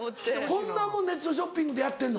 こんなんもネットショッピングでやってんの？